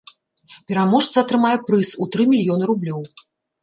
Пераможца атрымае прыз у тры мільёны рублёў.